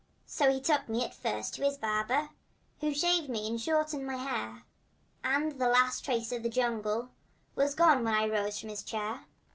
So he took me at first to his barber, Who shaved me and shortened my hair, And the last tangled trace of the jungle Was gone when I rose from his chair.